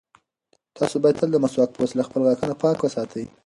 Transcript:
تاسو باید تل د مسواک په وسیله خپل غاښونه پاک وساتئ.